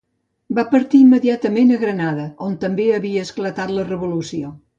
Va partir immediatament a Granada, on també havia esclatat la revolució.